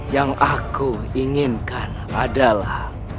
yang aku inginkan adalah